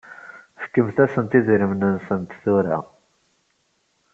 Fkemt-asent idrimen-nsent tura.